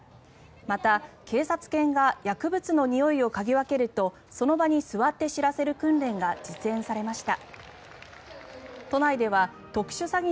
また、警察犬が薬物のにおいを嗅ぎ分けるとその場に座って知らせる訓練が実演されました。